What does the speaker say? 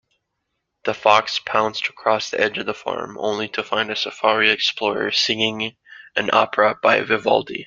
The fox pounced across the edge of the farm, only to find a safari explorer singing an opera by Vivaldi.